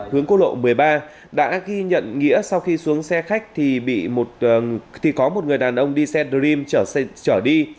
hướng cô lộ một mươi ba đã ghi nhận nghĩa sau khi xuống xe khách thì có một người đàn ông đi xe dream trở đi